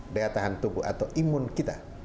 daya tahan tubuh atau imun kita